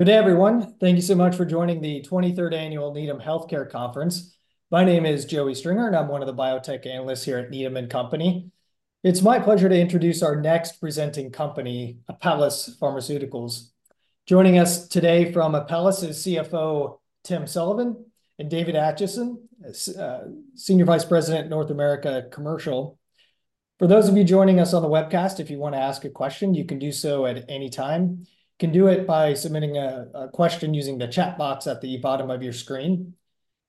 Good day, everyone. Thank you so much for joining the 23rd Annual Needham Healthcare Conference. My name is Joey Stringer, and I'm one of the biotech analysts here at Needham and Company. It's my pleasure to introduce our next presenting company, Apellis Pharmaceuticals. Joining us today from Apellis is CFO, Tim Sullivan, and David Acheson, Senior Vice President, North America Commercial. For those of you joining us on the webcast, if you want to ask a question, you can do so at any time. You can do it by submitting a question using the chat box at the bottom of your screen.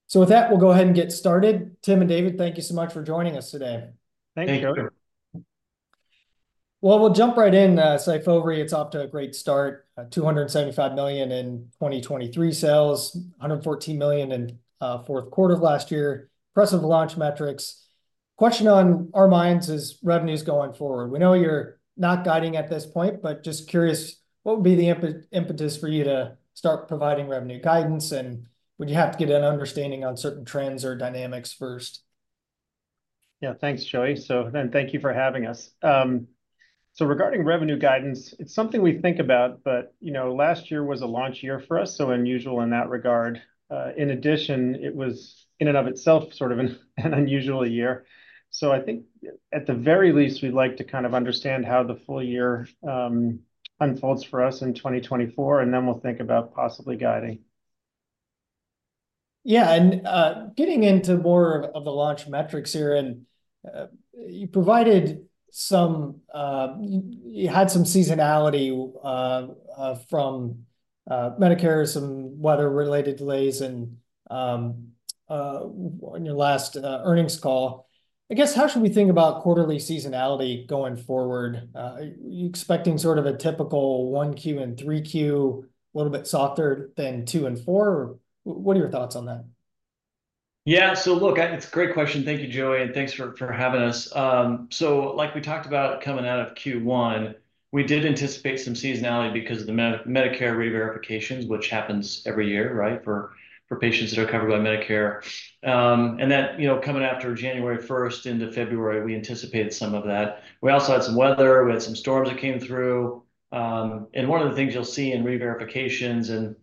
So with that, we'll go ahead and get started. Tim and David, thank you so much for joining us today. Thank you. Thank you. Well, we'll jump right in. SYFOVRE, it's off to a great start, $275 million in 2023 sales, $114 million in fourth quarter of last year. Impressive launch metrics. Question on our minds is revenues going forward. We know you're not guiding at this point, but just curious, what would be the impetus for you to start providing revenue guidance, and would you have to get an understanding on certain trends or dynamics first? Yeah, thanks, Joey. So then thank you for having us. So regarding revenue guidance, it's something we think about, but, you know, last year was a launch year for us, so unusual in that regard. In addition, it was in and of itself sort of an unusual year. So I think at the very least, we'd like to kind of understand how the full year unfolds for us in 2024, and then we'll think about possibly guiding. Yeah, and getting into more of the launch metrics here, and you provided some... You had some seasonality from Medicare, some weather-related delays, and on your last earnings call. I guess, how should we think about quarterly seasonality going forward? Are you expecting sort of a typical 1Q and 3Q, a little bit softer than 2 and 4? What are your thoughts on that? Yeah. So look, It's a great question. Thank you, Joey, and thanks for having us. So like we talked about coming out of Q1, we did anticipate some seasonality because of the Medicare reverifications, which happens every year, right? For patients that are covered by Medicare. And that, you know, coming after January first into February, we anticipated some of that. We also had some weather. We had some storms that came through. And one of the things you'll see in reverifications and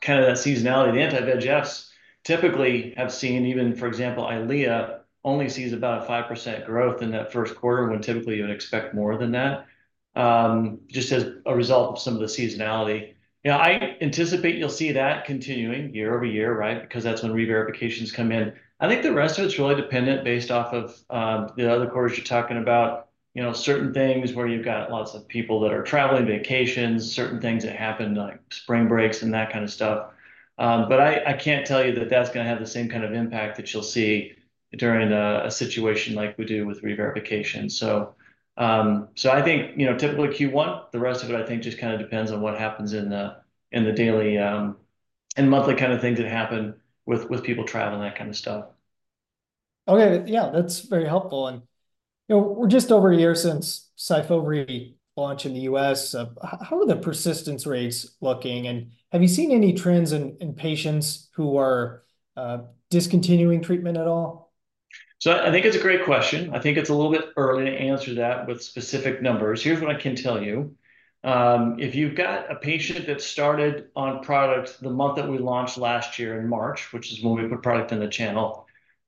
kind of that seasonality, the anti-VEGFs typically have seen, even, for example, EYLEA only sees about a 5% growth in that first quarter, when typically you would expect more than that, just as a result of some of the seasonality. You know, I anticipate you'll see that continuing year-over-year, right? Because that's when reverifications come in. I think the rest of it's really dependent based off of the other quarters you're talking about. You know, certain things where you've got lots of people that are traveling, vacations, certain things that happen, like spring breaks and that kind of stuff. But I can't tell you that that's gonna have the same kind of impact that you'll see during a situation like we do with reverification. So I think, you know, typically Q1, the rest of it, I think, just kind of depends on what happens in the daily and monthly kind of things that happen with people traveling, that kind of stuff. Okay. Yeah, that's very helpful. You know, we're just over a year since SYFOVRE launched in the US. How are the persistence rates looking, and have you seen any trends in patients who are discontinuing treatment at all? So I think it's a great question. I think it's a little bit early to answer that with specific numbers. Here's what I can tell you. If you've got a patient that started on product the month that we launched last year in March, which is when we put product in the channel,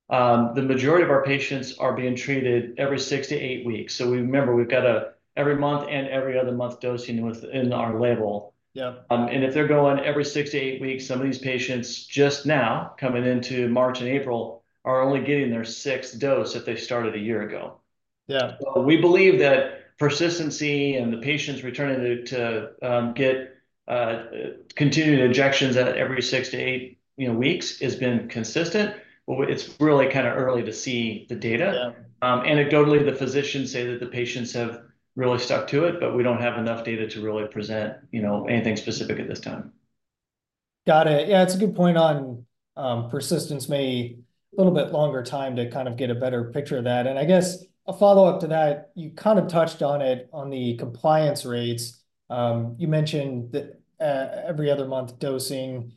the majority of our patients are being treated every six to eight weeks. So remember, we've got a every month and every other month dosing within our label. Yeah. And if they're going every 6-8 weeks, some of these patients just now, coming into March and April, are only getting their sixth dose if they started a year ago. Yeah. So we believe that persistency and the patients returning to get continued injections at every 6-8, you know, weeks has been consistent, but it's really kind of early to see the data. Yeah. Anecdotally, the physicians say that the patients have really stuck to it, but we don't have enough data to really present, you know, anything specific at this time. Got it. Yeah, it's a good point on persistence. Maybe a little bit longer time to kind of get a better picture of that. And I guess a follow-up to that, you kind of touched on it, on the compliance rates. You mentioned that every other month dosing.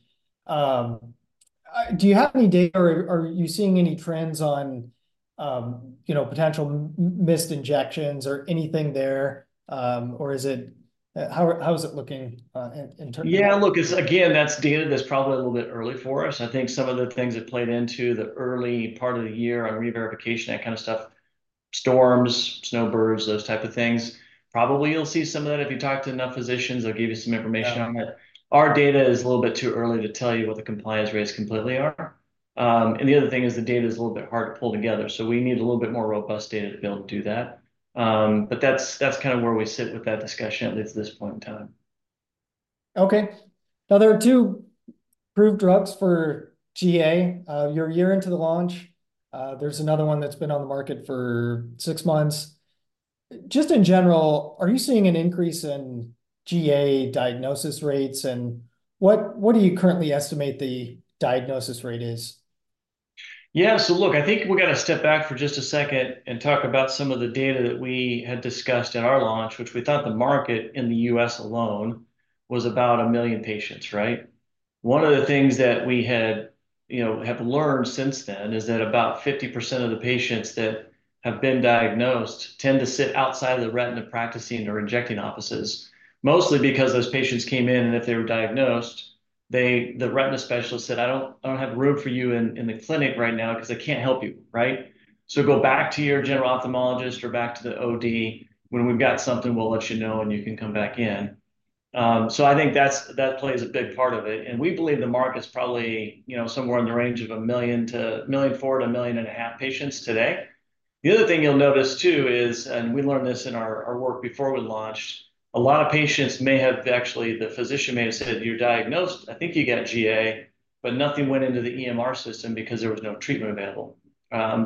Do you have any data, or are you seeing any trends on, you know, potential missed injections or anything there, or is it... How is it looking in terms of- Yeah, look, it's, again, that's data that's probably a little bit early for us. I think some of the things that played into the early part of the year on reverification, that kind of stuff, storms, snowbirds, those type of things, probably you'll see some of that if you talk to enough physicians, they'll give you some information on that. Yeah. Our data is a little bit too early to tell you what the compliance rates completely are. And the other thing is the data is a little bit hard to pull together, so we need a little bit more robust data to be able to do that. But that's, that's kind of where we sit with that discussion at least at this point in time. Okay. Now, there are two approved drugs for GA. You're a year into the launch. There's another one that's been on the market for six months. Just in general, are you seeing an increase in GA diagnosis rates, and what, what do you currently estimate the diagnosis rate is? Yeah, so look, I think we've got to step back for just a second and talk about some of the data that we had discussed at our launch, which we thought the market in the U.S. alone was about 1 million patients, right?... One of the things that we had, you know, have learned since then is that about 50% of the patients that have been diagnosed tend to sit outside of the retina practicing or injecting offices, mostly because those patients came in, and if they were diagnosed, they the retina specialist said, "I don't, I don't have room for you in the clinic right now, because I can't help you," right? "So go back to your general ophthalmologist or back to the OD. When we've got something, we'll let you know, and you can come back in." So I think that plays a big part of it, and we believe the market's probably, you know, somewhere in the range of 1 million to 1.4 million to 1.5 million patients today. The other thing you'll notice, too, is, and we learned this in our work before we launched, a lot of patients may have actually... The physician may have said, "You're diagnosed. I think you got GA," but nothing went into the EMR system because there was no treatment available.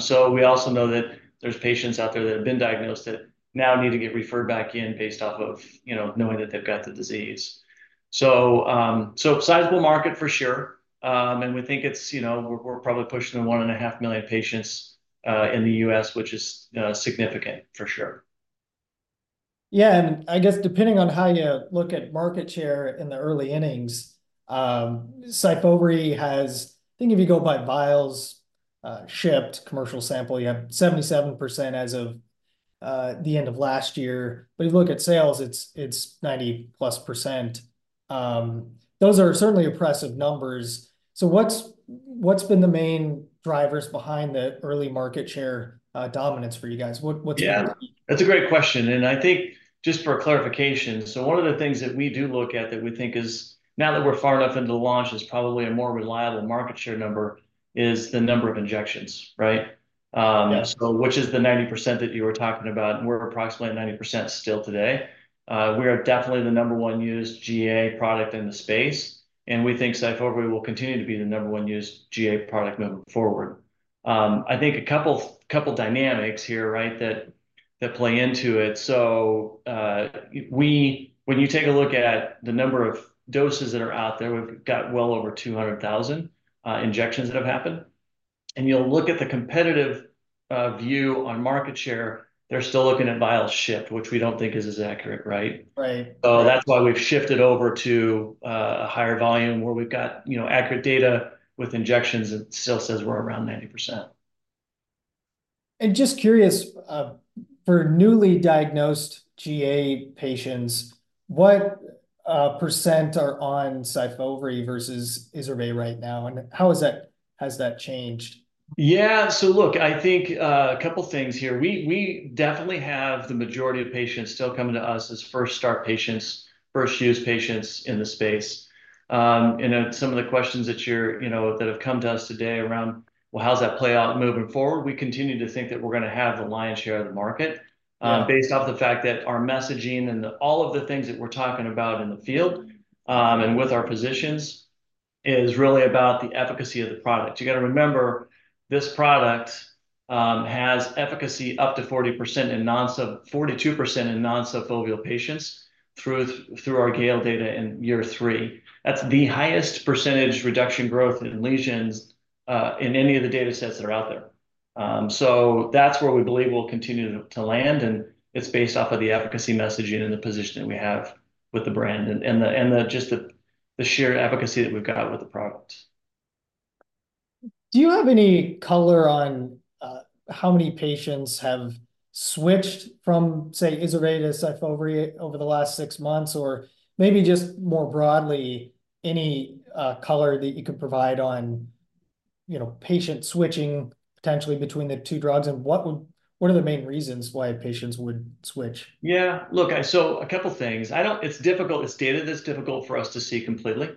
So we also know that there's patients out there that have been diagnosed that now need to get referred back in based off of, you know, knowing that they've got the disease. So, sizable market for sure, and we think it's, you know, we're probably pushing 1.5 million patients in the U.S., which is significant for sure. Yeah, and I guess depending on how you look at market share in the early innings, SYFOVRE has. I think if you go by vials shipped, commercial sample, you have 77% as of the end of last year. But you look at sales, it's 90%+. Those are certainly impressive numbers. So what's been the main drivers behind the early market share dominance for you guys? What, what's- Yeah, that's a great question, and I think just for clarification, so one of the things that we do look at that we think is, now that we're far enough into the launch, is probably a more reliable market share number, is the number of injections, right? Yeah. So which is the 90% that you were talking about, and we're approximately at 90% still today. We are definitely the number one used GA product in the space, and we think SYFOVRE will continue to be the number one used GA product moving forward. I think a couple, couple dynamics here, right, that, that play into it. When you take a look at the number of doses that are out there, we've got well over 200,000 injections that have happened. And you'll look at the competitive view on market share, they're still looking at vials shipped, which we don't think is as accurate, right? Right. So that's why we've shifted over to a higher volume where we've got, you know, accurate data with injections. It still says we're around 90%. Just curious, for newly diagnosed GA patients, what % are on SYFOVRE versus IZERVAY right now, and how has that changed? Yeah, so look, I think, a couple things here. We, we definitely have the majority of patients still coming to us as first-start patients, first-use patients in the space. And then some of the questions that you're, you know, that have come to us today around, "Well, how's that play out moving forward?" We continue to think that we're gonna have the lion's share of the market- Yeah Based off the fact that our messaging and all of the things that we're talking about in the field and with our physicians is really about the efficacy of the product. You gotta remember, this product has efficacy up to 40% in non-subfoveal patients, 42% in non-subfoveal patients through our GALE data in year 3. That's the highest percentage reduction growth in lesions in any of the datasets that are out there. So that's where we believe we'll continue to land, and it's based off of the efficacy messaging and the position that we have with the brand and just the sheer efficacy that we've got with the product. Do you have any color on how many patients have switched from, say, IZERVAY to SYFOVRE over the last six months, or maybe just more broadly, any color that you could provide on, you know, patients switching potentially between the two drugs? And what would... what are the main reasons why patients would switch? Yeah, look, so a couple things. It's difficult. It's data that's difficult for us to see completely.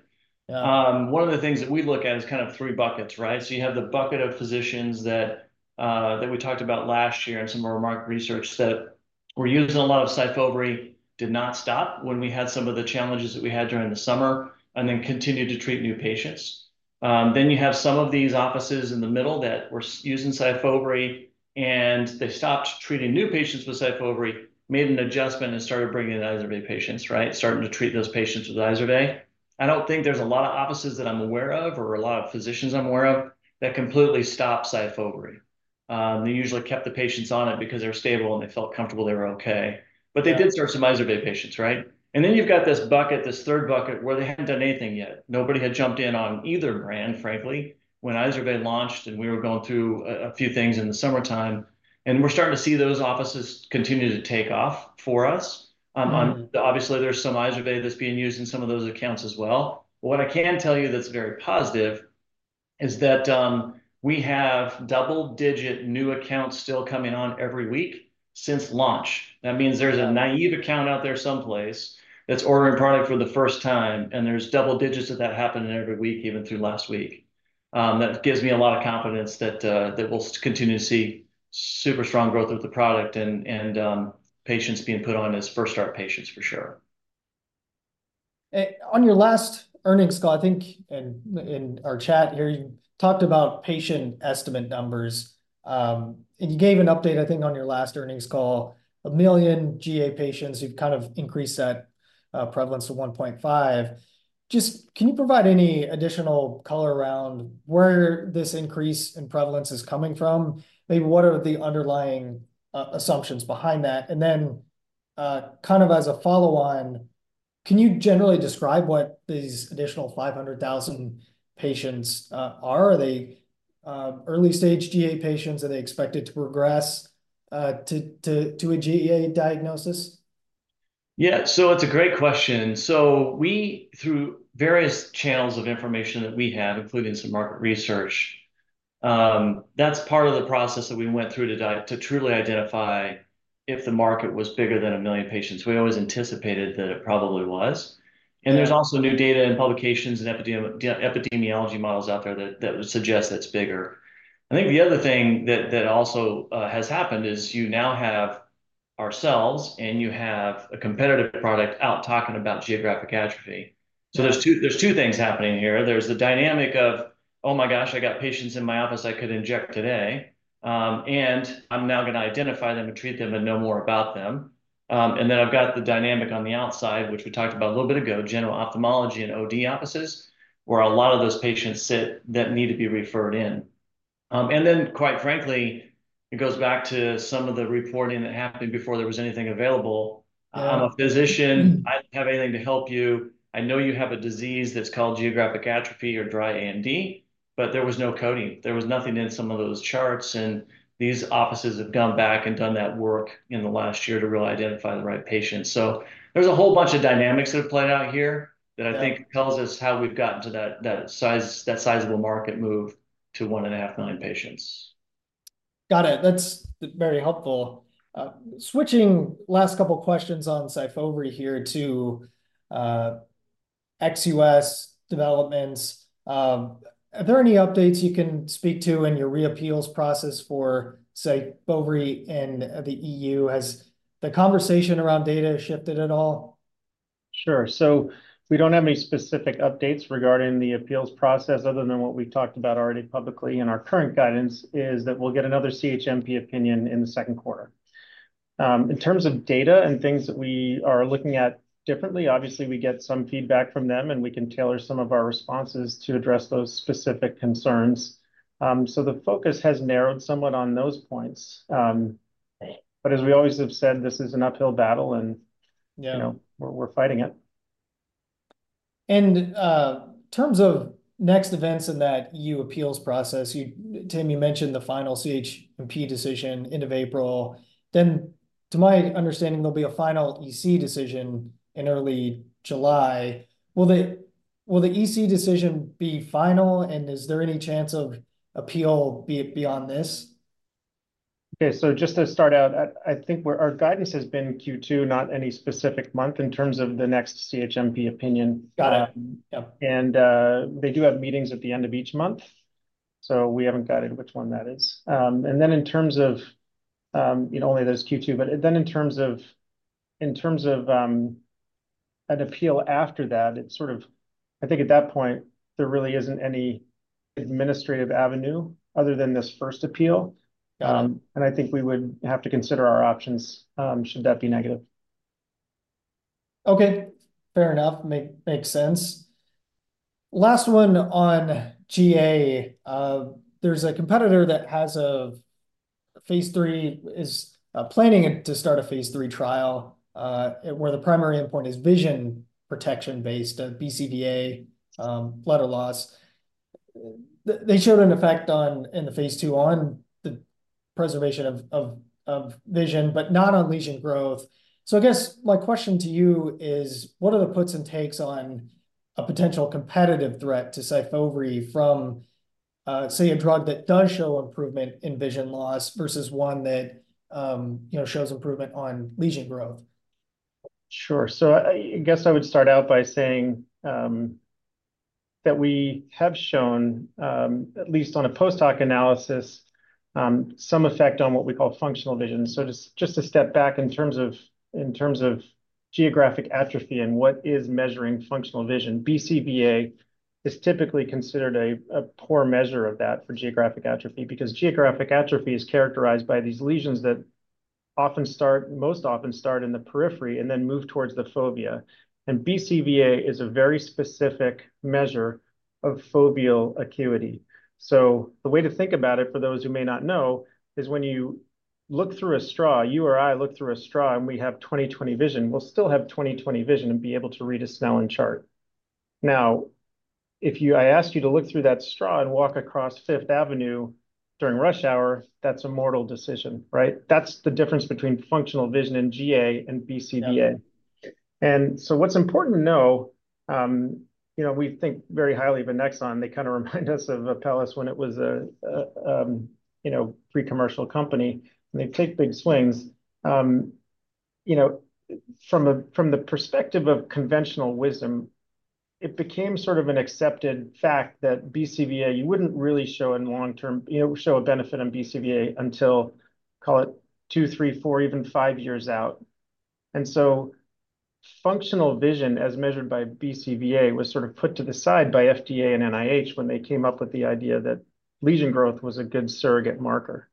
Yeah. One of the things that we look at is kind of three buckets, right? So you have the bucket of physicians that that we talked about last year in some of our market research that were using a lot of SYFOVRE, did not stop when we had some of the challenges that we had during the summer, and then continued to treat new patients. Then you have some of these offices in the middle that were using SYFOVRE, and they stopped treating new patients with SYFOVRE, made an adjustment, and started bringing in the IZERVAY patients, right? Starting to treat those patients with IZERVAY. I don't think there's a lot of offices that I'm aware of, or a lot of physicians I'm aware of, that completely stopped SYFOVRE. They usually kept the patients on it because they were stable, and they felt comfortable they were okay. Yeah. But they did start some IZERVAY patients, right? And then you've got this bucket, this third bucket, where they hadn't done anything yet. Nobody had jumped in on either brand, frankly, when IZERVAY launched, and we were going through a few things in the summertime, and we're starting to see those offices continue to take off for us. Mm. Obviously there's some IZERVAY that's being used in some of those accounts as well. What I can tell you that's very positive is that we have double-digit new accounts still coming on every week since launch. That means there's a naive account out there someplace that's ordering product for the first time, and there's double digits of that happening every week, even through last week. That gives me a lot of confidence that that we'll continue to see super strong growth with the product and patients being put on as first-start patients for sure. On your last earnings call, I think, and in our chat here, you talked about patient estimate numbers. And you gave an update, I think, on your last earnings call, 1 million GA patients. You've kind of increased that prevalence to 1.5. Just, can you provide any additional color around where this increase in prevalence is coming from? Maybe what are the underlying assumptions behind that? And then, kind of as a follow-on, can you generally describe what these additional 500,000 patients are? Are they early-stage GA patients? Are they expected to progress to a GA diagnosis? Yeah, so it's a great question. So we, through various channels of information that we had, including some market research, that's part of the process that we went through to truly identify if the market was bigger than a million patients. We always anticipated that it probably was. Yeah. There's also new data and publications and epidemiology models out there that would suggest it's bigger. I think the other thing that also has happened is you now have ourselves, and you have a competitive product out talking about geographic atrophy. Yeah. So there's two, there's two things happening here. There's the dynamic of, "Oh, my gosh, I got patients in my office I could inject today," and I'm now going to identify them and treat them and know more about them. And then I've got the dynamic on the outside, which we talked about a little bit ago, general ophthalmology and OD offices, where a lot of those patients sit that need to be referred in. And then, quite frankly, it goes back to some of the reporting that happened before there was anything available. Yeah. I'm a physician. I don't have anything to help you. I know you have a disease that's called geographic atrophy or dry AMD," but there was no coding. There was nothing in some of those charts, and these offices have gone back and done that work in the last year to really identify the right patients. So there's a whole bunch of dynamics at play out here- Yeah... that I think tells us how we've gotten to that, that size, that sizable market move to 1.5 million patients. Got it. That's very helpful. Switching last couple questions on SYFOVRE here to ex-US developments, are there any updates you can speak to in your re-appeals process for SYFOVRE in the EU? Has the conversation around data shifted at all? Sure. So we don't have any specific updates regarding the appeals process, other than what we've talked about already publicly. Our current guidance is that we'll get another CHMP opinion in the second quarter. In terms of data and things that we are looking at differently, obviously, we get some feedback from them, and we can tailor some of our responses to address those specific concerns. So the focus has narrowed somewhat on those points. Right... but as we always have said, this is an uphill battle, and- Yeah... you know, we're fighting it. In terms of next events in that EU appeals process, you, Tim, you mentioned the final CHMP decision, end of April. Then, to my understanding, there'll be a final EC decision in early July. Will the EC decision be final, and is there any chance of appeal beyond this? Okay, so just to start out, I think our guidance has been Q2, not any specific month, in terms of the next CHMP opinion. Got it. Yeah. They do have meetings at the end of each month, so we haven't guided which one that is. And then in terms of, you know, only those Q2, but then in terms of an appeal after that, it's sort of... I think at that point, there really isn't any administrative avenue other than this first appeal. Got it. I think we would have to consider our options, should that be negative. Okay, fair enough. Makes sense. Last one on GA. There's a competitor that is planning to start a phase III trial where the primary endpoint is vision protection based on BCVA letter loss. They showed an effect in the phase II on the preservation of vision, but not on lesion growth. So I guess my question to you is: what are the puts and takes on a potential competitive threat to SYFOVRE from, say, a drug that does show improvement in vision loss versus one that, you know, shows improvement on lesion growth? Sure. So I guess I would start out by saying that we have shown, at least on a post-hoc analysis, some effect on what we call functional vision. So just to step back in terms of geographic atrophy and what is measuring functional vision, BCVA is typically considered a poor measure of that for geographic atrophy, because geographic atrophy is characterized by these lesions that most often start in the periphery, and then move towards the fovea, and BCVA is a very specific measure of foveal acuity. So the way to think about it, for those who may not know, is when you look through a straw, you or I look through a straw, and we have 20/20 vision, we'll still have 20/20 vision and be able to read a Snellen chart. Now, if I ask you to look through that straw and walk across Fifth Avenue during rush hour, that's a mortal decision, right? That's the difference between functional vision in GA and BCVA. Yeah. What's important to know, you know, we think very highly of Annexon. They kind of remind us of Apellis when it was a, you know, pre-commercial company, and they take big swings. You know, from the perspective of conventional wisdom, it became sort of an accepted fact that BCVA, you wouldn't really show in long-term, you know, show a benefit in BCVA until, call it, 2, 3, 4, even 5 years out. Functional vision, as measured by BCVA, was sort of put to the side by FDA and NIH when they came up with the idea that lesion growth was a good surrogate marker.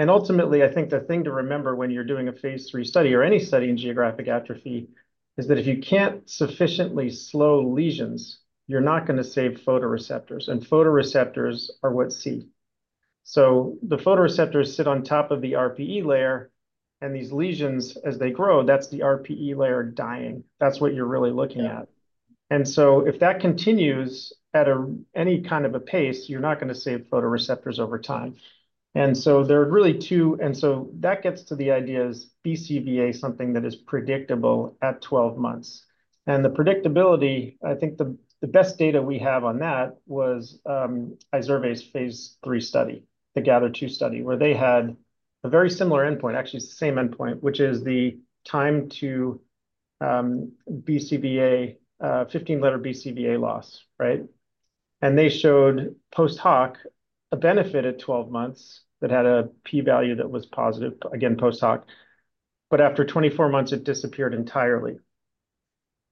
Ultimately, I think the thing to remember when you're doing a phase III study, or any study in geographic atrophy, is that if you can't sufficiently slow lesions, you're not gonna save photoreceptors, and photoreceptors are what see.... so the photoreceptors sit on top of the RPE layer, and these lesions, as they grow, that's the RPE layer dying. That's what you're really looking at. Yeah. And so if that continues at any kind of a pace, you're not gonna save photoreceptors over time. And so that gets to the idea, is BCVA something that is predictable at 12 months? And the predictability, I think the best data we have on that was IZERVAY's phase 3 study, the GATHER2 study, where they had a very similar endpoint, actually it's the same endpoint, which is the time to BCVA 15-letter BCVA loss, right? And they showed post-hoc a benefit at 12 months that had a p-value that was positive, again, post-hoc. But after 24 months, it disappeared entirely.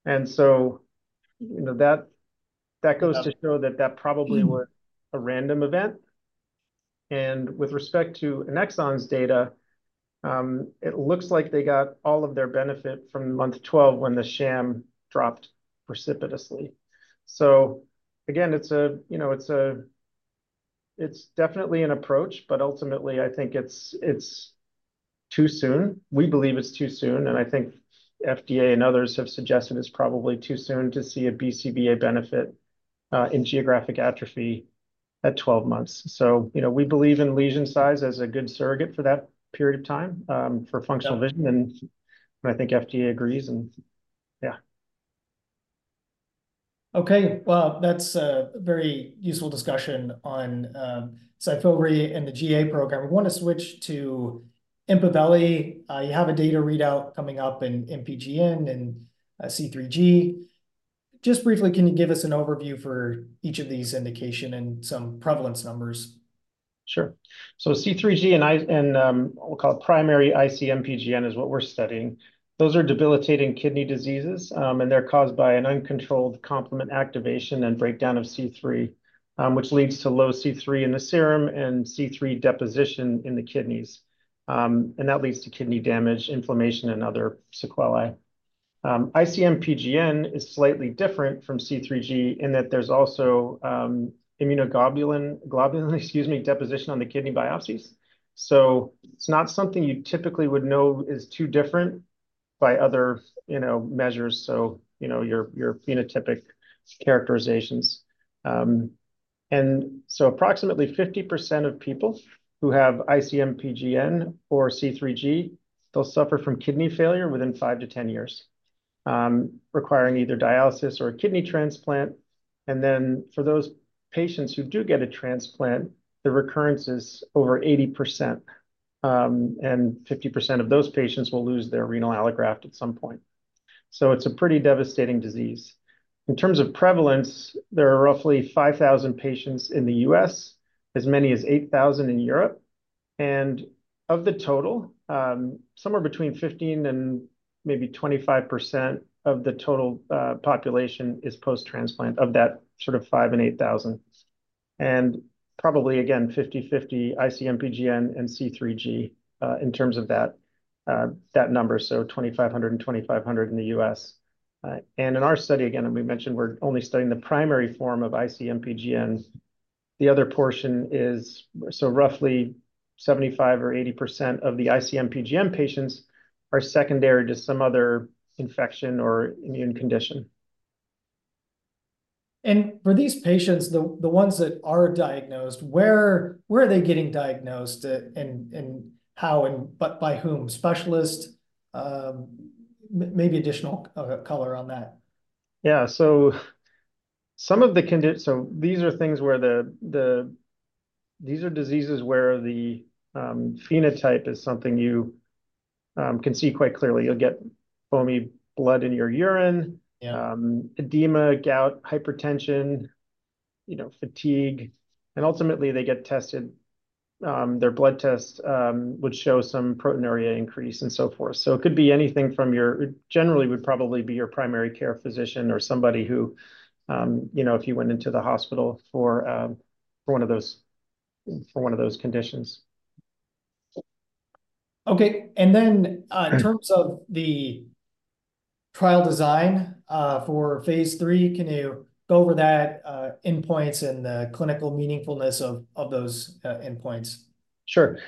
And so, you know, that goes to- Yeah... show that that probably was a random event. And with respect to Annexon's data, it looks like they got all of their benefit from month 12, when the sham dropped precipitously. So again, it's a, you know, it's definitely an approach, but ultimately, I think it's too soon. We believe it's too soon, and I think FDA and others have suggested it's probably too soon to see a BCVA benefit in geographic atrophy at 12 months. So, you know, we believe in lesion size as a good surrogate for that period of time for functional vision- Yeah... and I think FDA agrees, and yeah. Okay, well, that's a very useful discussion on SYFOVRE and the GA program. We want to switch to EMPAVELI. You have a data readout coming up in MPGN and C3G. Just briefly, can you give us an overview for each of these indication and some prevalence numbers? Sure. So C3G and we'll call it primary IC-MPGN, is what we're studying. Those are debilitating kidney diseases, and they're caused by an uncontrolled complement activation and breakdown of C3, which leads to low C3 in the serum and C3 deposition in the kidneys. And that leads to kidney damage, inflammation, and other sequelae. IC-MPGN is slightly different from C3G in that there's also immunoglobulin deposition on the kidney biopsies. So it's not something you typically would know is too different by other, you know, measures, so, you know, your, your phenotypic characterizations. And so approximately 50% of people who have IC-MPGN or C3G, they'll suffer from kidney failure within 5-10 years, requiring either dialysis or a kidney transplant. Then for those patients who do get a transplant, the recurrence is over 80%, and 50% of those patients will lose their renal allograft at some point. It's a pretty devastating disease. In terms of prevalence, there are roughly 5,000 patients in the U.S., as many as 8,000 in Europe. Of the total, somewhere between 15% and maybe 25% of the total population is post-transplant, of that sort of 5,000 and 8,000. Probably, again, 50/50 IC-MPGN and C3G, in terms of that, that number, so 2,500 and 2,500 in the U.S. In our study, again, and we mentioned we're only studying the primary form of IC-MPGN, the other portion is. Roughly 75% or 80% of the IC-MPGN patients are secondary to some other infection or immune condition. For these patients, the ones that are diagnosed, where are they getting diagnosed at, and how, but by whom? Specialists? Maybe additional color on that. Yeah. So some of the conditions. So these are diseases where the phenotype is something you can see quite clearly. You'll get foamy blood in your urine. Yeah... edema, gout, hypertension, you know, fatigue, and ultimately they get tested. Their blood tests would show some proteinuria increase, and so forth. So it could be anything from your... It generally would probably be your primary care physician or somebody who, you know, if you went into the hospital for one of those conditions. Okay. And then, Yeah... in terms of the trial design, for Phase 3, can you go over that, endpoints and the clinical meaningfulness of, of those, endpoints? Sure.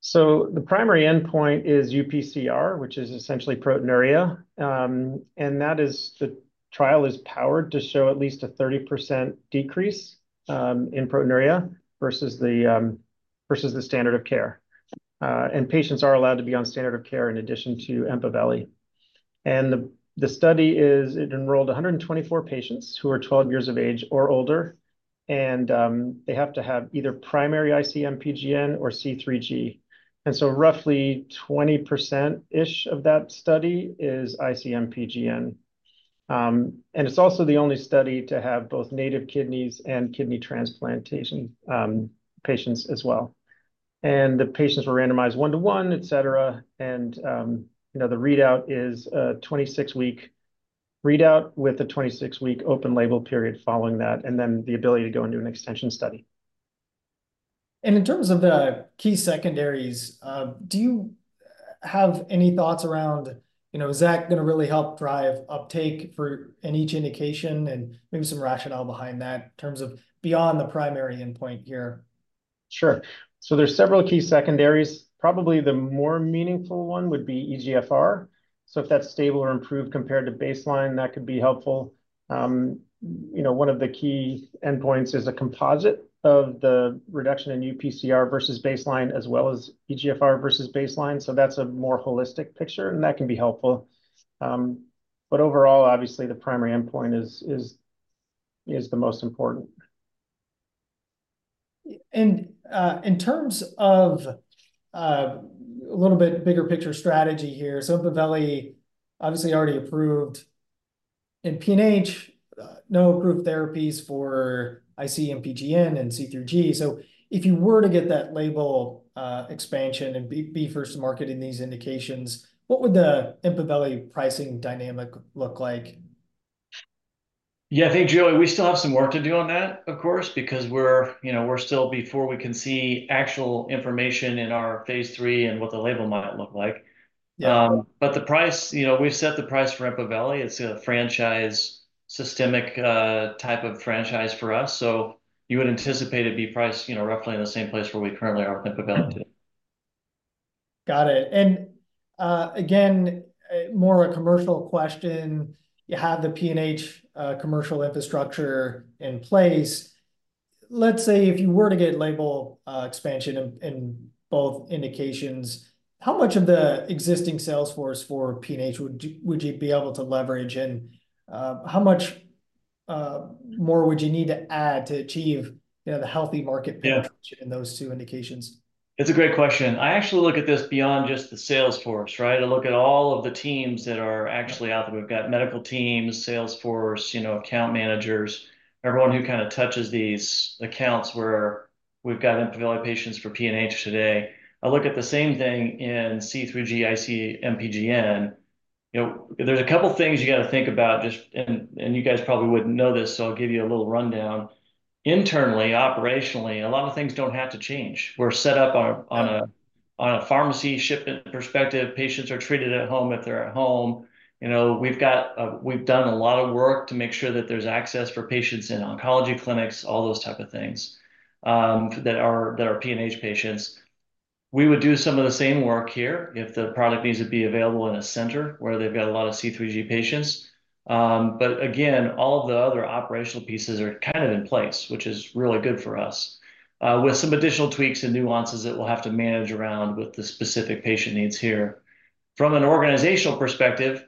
So the primary endpoint is uPCR, which is essentially proteinuria. And that is, the trial is powered to show at least a 30% decrease in proteinuria versus the versus the standard of care. And patients are allowed to be on standard of care in addition to EMPAVELI. And the the study is- it enrolled 124 patients who are 12 years of age or older, and they have to have either primary IC-MPGN or C3G. And so roughly 20%-ish of that study is IC-MPGN. And it's also the only study to have both native kidneys and kidney transplantation patients as well. And the patients were randomized 1-to-1, et cetera, and you know, the readout is a 26-week readout, with a 26-week open-label period following that, and then the ability to go into an extension study. In terms of the key secondaries, do you have any thoughts around, you know, is that gonna really help drive uptake for in each indication, and maybe some rationale behind that in terms of beyond the primary endpoint here? Sure. So there's several key secondaries. Probably the more meaningful one would be eGFR. So if that's stable or improved compared to baseline, that could be helpful. You know, one of the key endpoints is a composite of the reduction in uPCR versus baseline, as well as eGFR versus baseline, so that's a more holistic picture, and that can be helpful. But overall, obviously, the primary endpoint is the most important. And, in terms of, a little bit bigger picture strategy here, so EMPAVELI obviously already approved in PNH, no approved therapies for IC-MPGN and C3G. So if you were to get that label expansion and be first to market in these indications, what would the EMPAVELI pricing dynamic look like? Yeah, I think, Joey, we still have some work to do on that, of course, because we're, you know, we're still before we can see actual information in our phase III and what the label might look like. Yeah. But the price, you know, we've set the price for EMPAVELI. It's a franchise, systemic, type of franchise for us. So you would anticipate it'd be priced, you know, roughly in the same place where we currently are with EMPAVELI. Got it. And, more of a commercial question. You have the PNH commercial infrastructure in place. Let's say, if you were to get label expansion in both indications, how much of the existing sales force for PNH would you be able to leverage? And, how much more would you need to add to achieve, you know, the healthy market penetration- Yeah... in those two indications? It's a great question. I actually look at this beyond just the sales force, right? I look at all of the teams that are actually out there. We've got medical teams, sales force, you know, account managers, everyone who kind of touches these accounts where we've got EMPAVELI patients for PNH today. I look at the same thing in C3G, IC, MPGN. You know, there's a couple things you gotta think about just... And you guys probably wouldn't know this, so I'll give you a little rundown. Internally, operationally, a lot of things don't have to change. We're set up on a pharmacy shipment perspective. Patients are treated at home if they're at home. You know, we've got... We've done a lot of work to make sure that there's access for patients in oncology clinics, all those type of things, that are PNH patients. We would do some of the same work here if the product needs to be available in a center where they've got a lot of C3G patients. But again, all the other operational pieces are kind of in place, which is really good for us, with some additional tweaks and nuances that we'll have to manage around with the specific patient needs here. From an organizational perspective,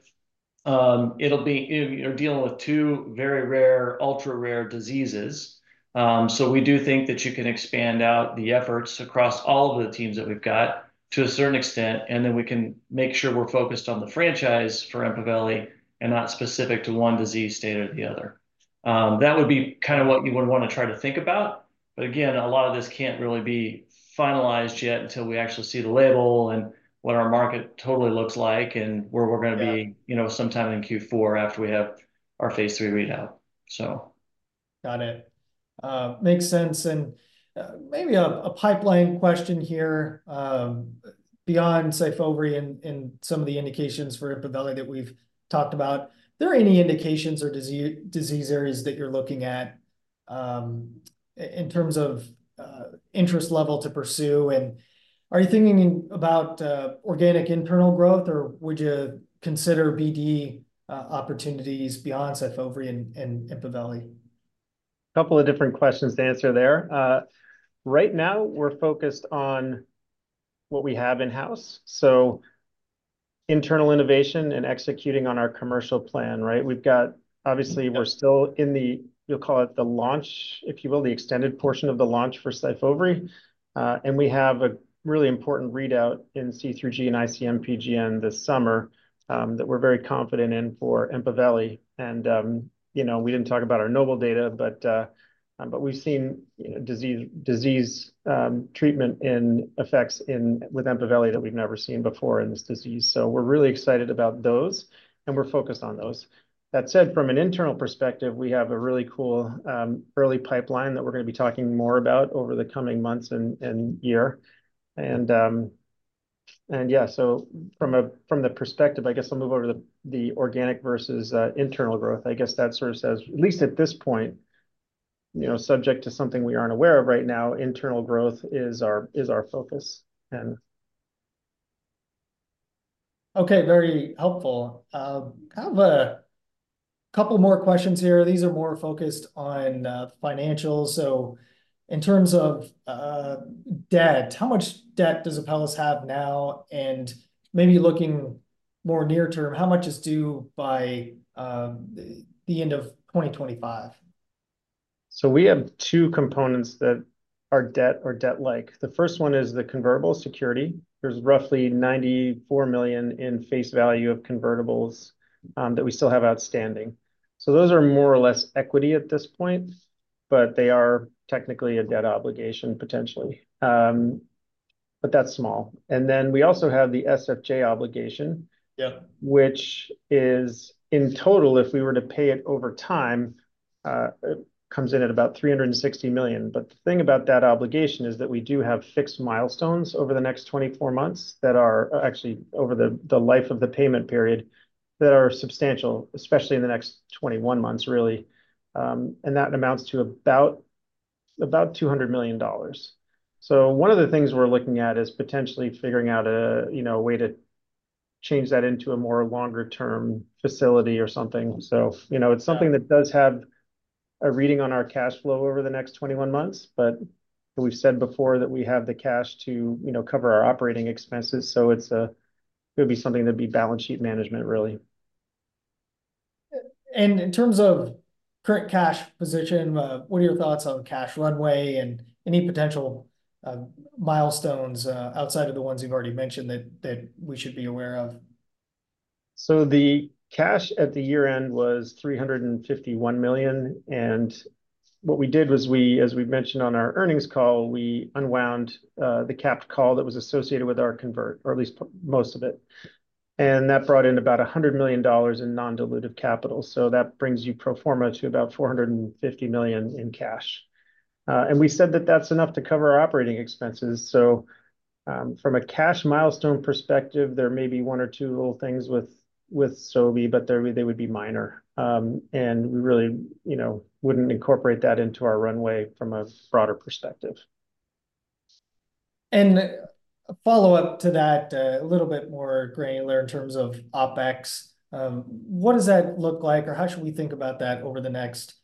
it'll be you're dealing with two very rare, ultra-rare diseases. So, we do think that you can expand out the efforts across all of the teams that we've got to a certain extent, and then we can make sure we're focused on the franchise for EMPAVELI and not specific to one disease state or the other. That would be kind of what you would want to try to think about. But again, a lot of this can't really be finalized yet until we actually see the label and what our market totally looks like and where we're gonna be- Yeah... you know, sometime in Q4, after we have our Phase III readout, so. Got it. Makes sense. And maybe a pipeline question here, beyond SYFOVRE and some of the indications for EMPAVELI that we've talked about. Are there any indications or disease areas that you're looking at, in terms of interest level to pursue? And are you thinking about organic internal growth, or would you consider BD opportunities beyond SYFOVRE and EMPAVELI? Couple of different questions to answer there. Right now, we're focused on what we have in-house, so internal innovation and executing on our commercial plan, right? We've got... Obviously- Yeah... we're still in the, you'll call it the launch, if you will, the extended portion of the launch for SYFOVRE. And we have a really important readout in C3G and IC-MPGN this summer, that we're very confident in for EMPAVELI. And, you know, we didn't talk about our NOBLE data, but, but we've seen, you know, disease treatment and effects in with EMPAVELI that we've never seen before in this disease. So we're really excited about those, and we're focused on those. That said, from an internal perspective, we have a really cool early pipeline that we're gonna be talking more about over the coming months and year. And yeah, so from the perspective, I guess I'll move over to the organic versus internal growth. I guess that sort of says, at least at this point, you know, subject to something we aren't aware of right now, internal growth is our focus, and... Okay, very helpful. I have a couple more questions here. These are more focused on financials. So in terms of debt, how much debt does Apellis have now? And maybe looking more near term, how much is due by the end of 2025? We have two components that are debt or debt-like. The first one is the convertible security. There's roughly $94 million in face value of convertibles that we still have outstanding. Those are more or less equity at this point, but they are technically a debt obligation, potentially. But that's small. And then we also have the SFJ obligation- Yeah... which is, in total, if we were to pay it over time- it comes in at about $360 million. But the thing about that obligation is that we do have fixed milestones over the next 24 months that are, actually over the life of the payment period, that are substantial, especially in the next 21 months, really. And that amounts to about $200 million. So one of the things we're looking at is potentially figuring out a, you know, way to change that into a more longer-term facility or something. So, you know, it's something that does have a reading on our cash flow over the next 21 months, but we've said before that we have the cash to, you know, cover our operating expenses, so it's, it would be something that'd be balance sheet management, really. And in terms of current cash position, what are your thoughts on cash runway and any potential milestones outside of the ones you've already mentioned that we should be aware of? So the cash at the year-end was $351 million, and what we did was we, as we've mentioned on our earnings call, we unwound the capped call that was associated with our convert, or at least most of it. And that brought in about $100 million in non-dilutive capital, so that brings you pro forma to about $450 million in cash. And we said that that's enough to cover our operating expenses, so, from a cash milestone perspective, there may be one or two little things with SFJ, but they're, they would be minor. And we really, you know, wouldn't incorporate that into our runway from a broader perspective. A follow-up to that, a little bit more granular in terms of OpEx. What does that look like, or how should we think about that over the next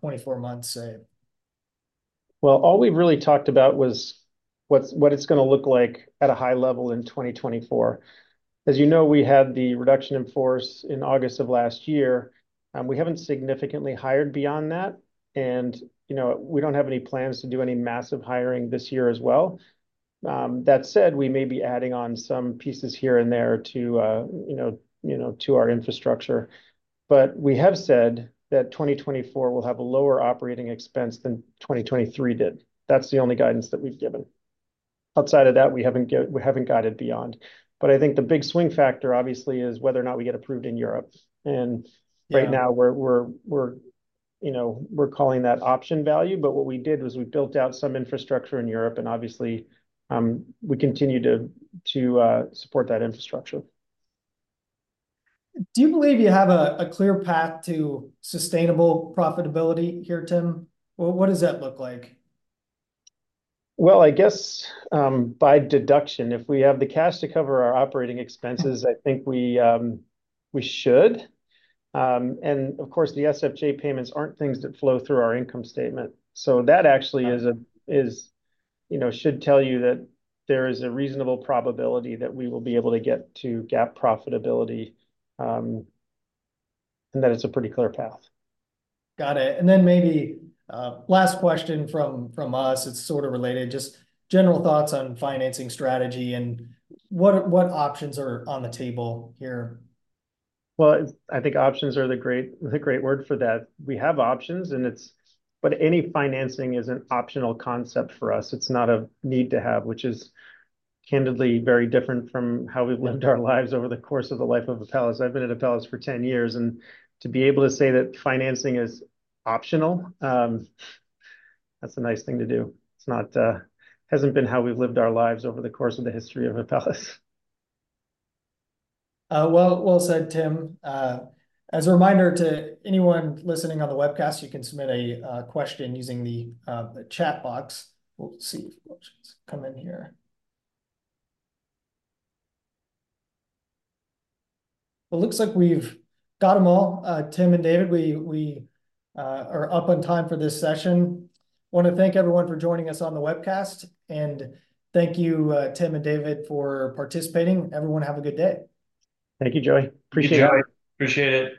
24 months, say? Well, all we've really talked about was what's what it's gonna look like at a high level in 2024. As you know, we had the reduction in force in August of last year, we haven't significantly hired beyond that, and, you know, we don't have any plans to do any massive hiring this year as well. That said, we may be adding on some pieces here and there to, you know, to our infrastructure. But we have said that 2024 will have a lower operating expense than 2023 did. That's the only guidance that we've given. Outside of that, we haven't guided beyond. But I think the big swing factor, obviously, is whether or not we get approved in Europe. And- Yeah... right now, we're, you know, we're calling that option value, but what we did was we built out some infrastructure in Europe, and obviously, we continue to support that infrastructure. Do you believe you have a clear path to sustainable profitability here, Tim? What does that look like? Well, I guess by deduction, if we have the cash to cover our operating expenses, I think we should. And of course, the SFJ payments aren't things that flow through our income statement, so that actually should tell you that there is a reasonable probability that we will be able to get to GAAP profitability, and that it's a pretty clear path. Got it. And then maybe, last question from us, it's sort of related, just general thoughts on financing strategy, and what options are on the table here? Well, I think options are the great word for that. We have options and it's... But any financing is an optional concept for us. It's not a need-to-have, which is candidly very different from how we've lived our lives over the course of the life of Apellis. I've been at Apellis for 10 years, and to be able to say that financing is optional, that's a nice thing to do. It's not, hasn't been how we've lived our lives over the course of the history of Apellis. Well, well said, Tim. As a reminder to anyone listening on the webcast, you can submit a question using the chat box. We'll see if questions come in here. Well, it looks like we've got them all. Tim and David, we are up on time for this session. Wanna thank everyone for joining us on the webcast, and thank you, Tim and David, for participating. Everyone, have a good day. Thank you, Joey. Appreciate it. Thank you, appreciate it.